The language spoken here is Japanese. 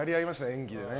演技をね。